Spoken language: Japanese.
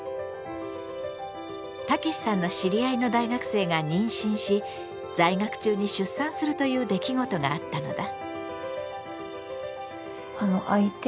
たけしさんの知り合いの大学生が妊娠し在学中に出産するという出来事があったのだ。